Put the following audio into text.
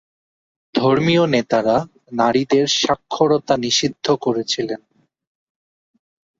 ধর্মীয় নেতারা নারীদের সাক্ষরতা নিষিদ্ধ করেছিলেন।